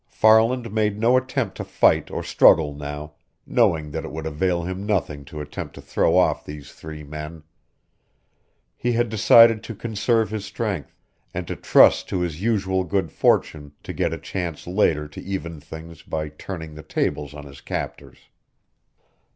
Farland made no attempt to fight or struggle now, knowing that it would avail him nothing to attempt to throw off these three men. He had decided to conserve his strength, and to trust to his usual good fortune to get a chance later to even things by turning the tables on his captors.